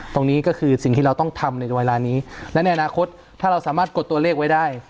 ตรงนี้ก็คือสิ่งที่เราต้องทำในเวลานี้และในอนาคตถ้าเราสามารถกดตัวเลขไว้ได้